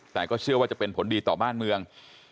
แต่ก็เชื่อว่าจะเป็นผลดีต่อบ้านเมือง